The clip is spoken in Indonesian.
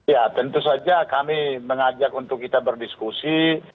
ya tentu saja kami mengajak untuk kita berdiskusi